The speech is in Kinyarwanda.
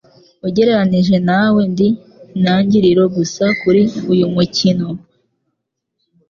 Ugereranije nawe, Ndi intangiriro gusa kuri uyu mukino.